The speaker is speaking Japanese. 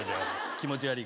気持ち悪いから。